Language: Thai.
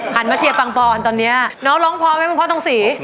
มาเชียร์ปังปอนตอนนี้น้องร้องพอไหมคุณพ่อทองศรี